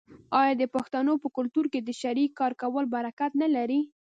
آیا د پښتنو په کلتور کې د شریک کار کول برکت نلري؟